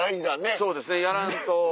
そうですねやらんと。